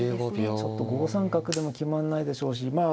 ちょっと５三角でも決まんないでしょうしまあ。